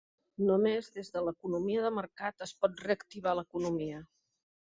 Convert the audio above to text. Només des de l’economia de mercat es pot reactivar l’economia.